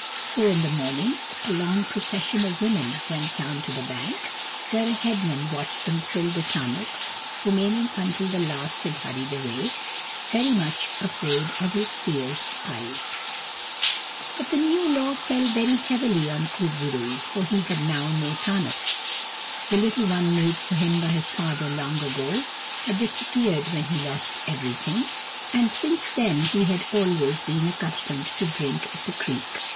So in the mornings a long procession of women went down to the bank, where a head man watched them fill the tarnuks, remaining until the last had hurried away, very much afraid of his fierce eyes. But the new law fell very heavily on Kur bo roo, for he had now no tarnuk. The little one made for him by his father long ago had disappeared when he lost everything, and since then he had always been accustomed to drink at the creek.